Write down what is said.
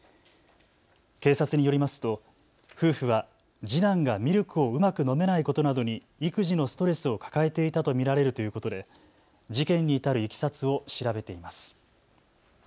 警察によりますと夫婦は次男がミルクをうまく飲めないことなどに育児のストレスを抱えていたと見られるということで事件に至るいきさつを調べています。